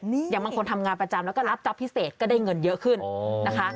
อย่างบางคนทำงานประจำแล้วก็รับจ๊อปพิเศษก็ได้เงินเยอะขึ้นนะคะ